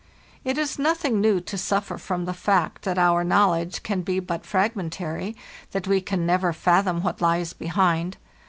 "Tt is nothing new to suffer from the fact that our knowledge can be but fragmentary, that we can never fathom what lies behind.